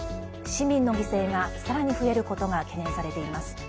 市民の犠牲がさらに増えることが懸念されています。